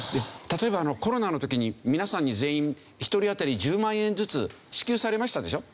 例えばコロナの時に皆さんに全員一人当たり１０万円ずつ支給されましたでしょ？